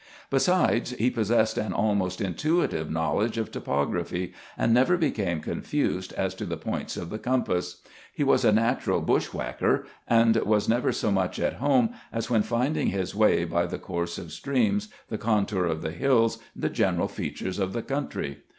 Besides, he possessed an almost intuitive knowledge of topography, and never became confused as to the points of the compass. He was a natural " bushwhacker," and was never so much at home as when finding his way by the course of streams, the contour of the hills, and the general features of the country.